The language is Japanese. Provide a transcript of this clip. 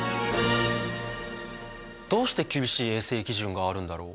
どうして厳しい衛生基準があるんだろう？